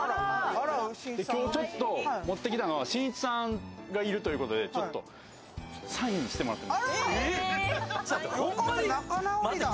今日、持ってきたのはしんいちさんがいるということでサインしてもらっていい？